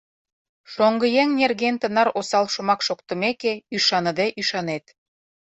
Шоҥгыеҥ нерген тынар осал шомак шоктымеке, ӱшаныде ӱшанет.